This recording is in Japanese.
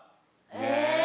え！